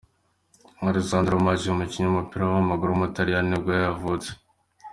Alessandro Marchi, umukinnyi w’umupira w’amaguru w’umutaliyani nibwo yavutse.